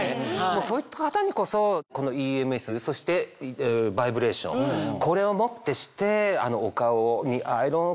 そういった方にこそこのＥＭＳそしてバイブレーションこれをもってして。